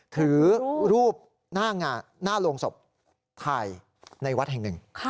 ถือรูปหน้าโรงศพถ่ายในวัดแห่งหนึ่ง